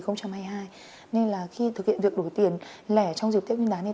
nên là khi thực hiện việc đổi tiền lẻ trong dịp tiết huyên đá này